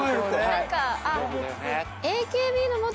何か。